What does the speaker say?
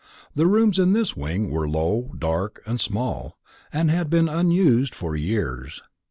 The rooms in this wing were low, dark, and small, and had been unused for years.